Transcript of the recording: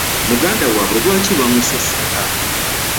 Muganda waabwe lwaki oba bamusosola?